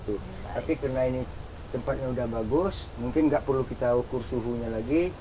tapi karena ini tempatnya sudah bagus mungkin nggak perlu kita ukur suhunya lagi